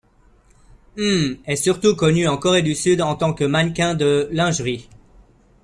Uhm est surtout connu en Corée du Sud en tant que mannequin de lingerie.